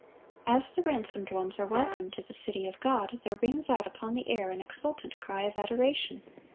As the ransomed ones are welcomed to the city of God, there rings out upon the air an exultant cry of adoration.